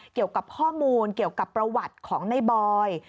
เกี่ยวกับข้อมูลเกี่ยวกับประวัติของในบอย